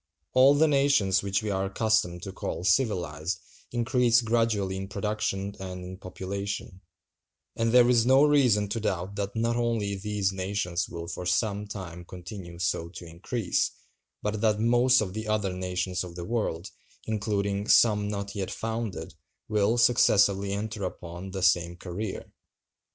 All the nations which we are accustomed to call civilized increase gradually in production and in population: and there is no reason to doubt that not only these nations will for some time continue so to increase, but that most of the other nations of the world, including some not yet founded, will successively enter upon the same career.